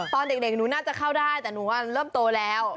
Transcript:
ตอนเด็กหนูน่าจะเข้าได้แต่หนูเริ่มโตแล้ว